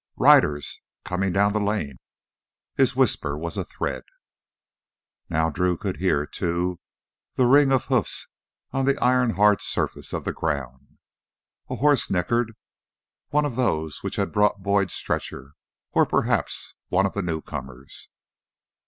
"Riders ... coming down the lane." His whisper was a thread. Now Drew could hear, too, the ring of hoofs on the iron hard surface of the ground. A horse nickered one of those which had brought Boyd's stretcher, or perhaps one of the newcomers.